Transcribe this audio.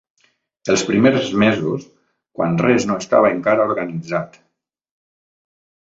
Els primers mesos, quan res no estava encara organitzat.